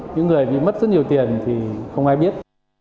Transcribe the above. những người bị mất rất nhiều tiền thì không ai biết